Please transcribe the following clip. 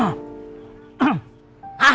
aduh hati gue ngenes banget ya allah